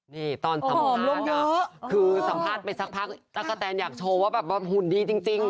นี่ตอนสัมภาษณ์คือสัมภาษณ์ไปสักพักตะกะแตนอยากโชว์ว่าแบบว่าหุ่นดีจริง